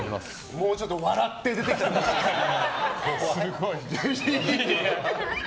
もうちょっと笑って出てきてください。